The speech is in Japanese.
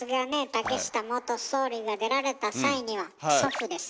竹下元総理が出られた際には「祖父です」